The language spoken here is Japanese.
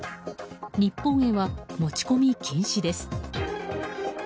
日本へは持ち込み禁止です。